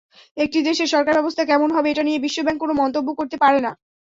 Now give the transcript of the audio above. একটি দেশের সরকারব্যবস্থা কেমন হবে, এটা নিয়ে বিশ্বব্যাংক কোনো মন্তব্য করতে পারে না।